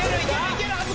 いけるはず！